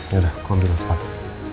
yaudah gua ambil yang sepatu